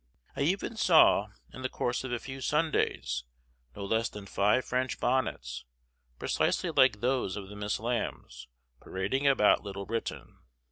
I even saw, in the course of a few Sundays, no less than five French bonnets, precisely like those of the Miss Lambs, parading about Little Britain.